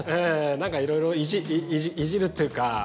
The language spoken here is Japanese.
何かいろいろいじるというか。